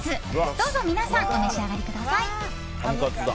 どうぞ、皆さんお召し上がりください。